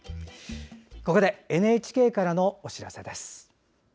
ここでＮＨＫからのお知らせです。